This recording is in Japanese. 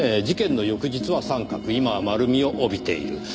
事件の翌日は三角今は丸みを帯びている。